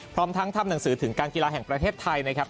พร้อมทั้งทำหนังสือถึงการกีฬาแห่งประเทศไทยนะครับ